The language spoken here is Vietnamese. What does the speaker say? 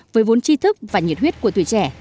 với vốn chi thức và nhiệt huyết của tuổi trẻ